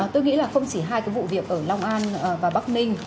tôi nghĩ là không chỉ hai cái vụ việc ở long an và bắc ninh